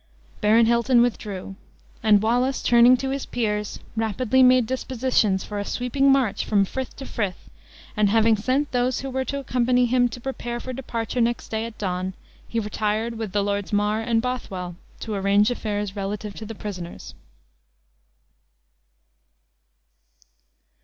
Baron Hilton withdrew. And Wallace, turning to his peers, rapidly made dispositions for a sweeping march from frith to frith; and having sent those who were to accompany him to prepare for departure next day at dawn, he retired with the Lords Mar and Bothwell to arrange affairs relative to the prisoners.